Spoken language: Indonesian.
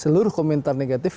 seluruh komentar negatif